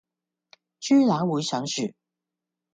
豬乸會上樹